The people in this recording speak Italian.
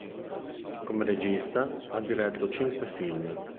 Come regista ha diretto cinque film.